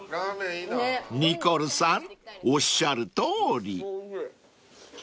［ニコルさんおっしゃるとおり］